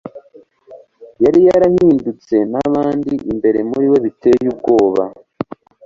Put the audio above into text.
yari yarahindutse n'ahandi imbere muri we, biteye ubwoba